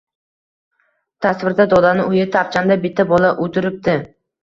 Tasvirda: dodani uyi. Tapchanda bitta bola utiribdi.